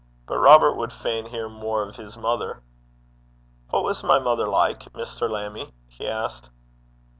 But Robert would fain hear more of his mother. 'What was my mother like, Mr. Lammie?' he asked.